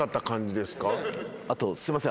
あとすいません